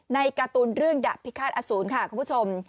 ในการ์ตูนเรื่องดับพิฆาตอสูรค่ะคุณผู้ชม